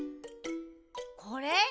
これ？